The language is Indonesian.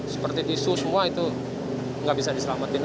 seperti tisu semua itu nggak bisa diselamatin